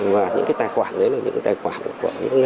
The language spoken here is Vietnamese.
và những cái tài khoản đấy là những cái tài khoản của ngân hàng